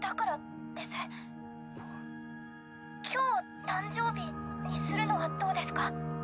今日を誕生日にするのはどうですか？